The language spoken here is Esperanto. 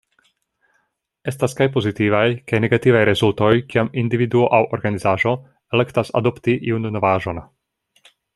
Estas kaj pozitivaj kaj negativaj rezultoj kiam individuo aŭ organizaĵo elektas adopti iun novaĵon.